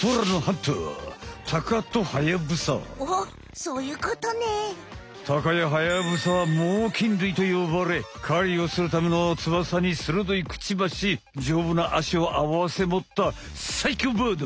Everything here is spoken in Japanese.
タカやハヤブサは猛禽類とよばれかりをするための翼に鋭いクチバシじょうぶなあしをあわせもったさいきょうバード。